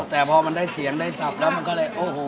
แต่พอมันได้เสียงได้สับแล้วมันก็เลยโอ้โห